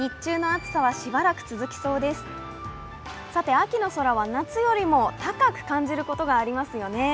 秋の空は夏よりも高く感じることがありますよね。